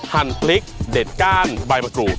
หั่นพริกเด็ดก้านใบมะกรูด